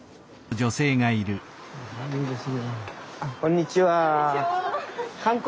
こんにちは。